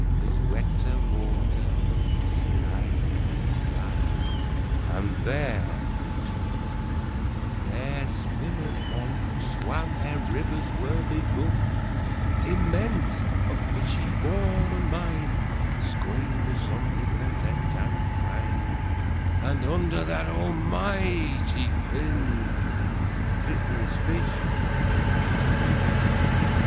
18Is wetter water, slimier slime!19And there (they trust) there swimmeth One20Who swam ere rivers were begun,21Immense, of fishy form and mind,22Squamous, omnipotent, and kind;23And under that Almighty Fin,24The littlest fish may enter in.